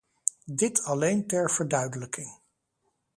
Dit alleen ter verduidelijking.